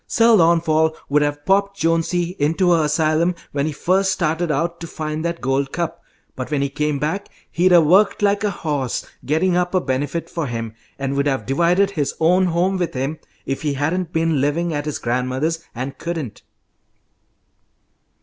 Sir Launfal would have popped Jonesy into a 'sylum when he first started out to find that gold cup, but when he came back he'd 'a' worked like a horse getting up a benefit for him, and would have divided his own home with him, if he hadn't been living at his grandmother's, and couldn't."